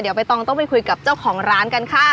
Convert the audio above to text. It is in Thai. เดี๋ยวใบตองต้องไปคุยกับเจ้าของร้านกันค่ะ